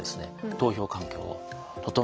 投票環境を整えていく。